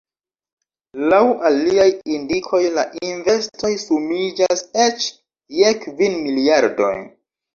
Laŭ aliaj indikoj la investoj sumiĝas eĉ je kvin miliardoj.